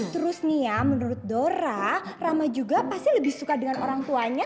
terus nih ya menurut dora rama juga pasti lebih suka dengan orang tuanya